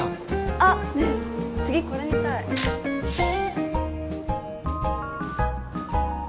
あっねえ次これ見たいねえ